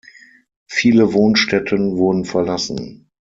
Viele Wohnstätten wurden verlassen.